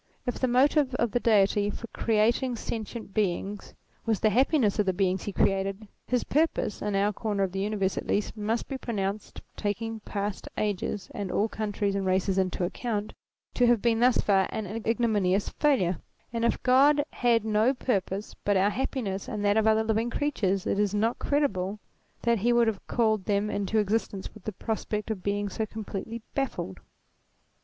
If the motive of the Deity for creating sentient beings was the hap piness of the beings he created, his purpose, in our corner of the universe" at least, must be pronounced, taking past ages and all countries and races into account, to have been thus far an ignominious failure ; and if God had no purpose but our happiness and that of other living creatures it is not credible that he would have called them into existence with the prospect of being so completely baffled.